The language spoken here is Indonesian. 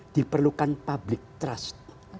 diperlukan public trust